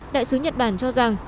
đại sứ nhật bản cho rằng